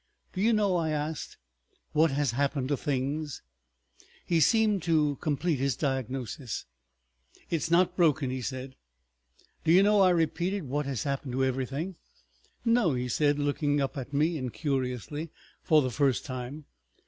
"Do you know?" I asked, "what has happened to things?" He seemed to complete his diagnosis. "It's not broken," he said. "Do you know," I repeated, "what has happened to everything?" "No," he said, looking up at me incuriously for the first time.